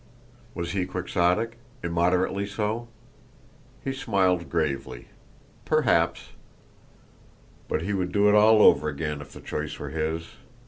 Was he quixotic? Immoderately so? He smiled gravely. Perhaps. But he would do it all over again if the choice were his.